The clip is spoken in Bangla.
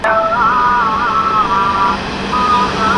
স্যার, আমার ফ্লাইটের জন্য দেরি হয়ে যাচ্ছে।